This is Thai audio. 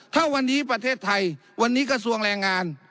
ถ้าวันนี้ประเทศไทยวันนี้กระทรวงแรงงาน